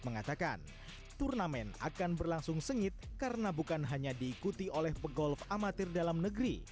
mengatakan turnamen akan berlangsung sengit karena bukan hanya diikuti oleh pegolf amatir dalam negeri